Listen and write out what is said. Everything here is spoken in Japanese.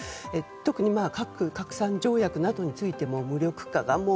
特に核不拡散条約などについても無力化が。